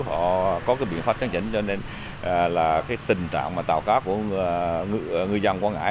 họ có cái biện pháp chấn chỉnh cho nên là cái tình trạng mà tàu cá của ngư dân quảng ngãi